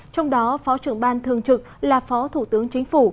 trong đó phó trưởng ban thường trực là phó thủ tướng chính phủ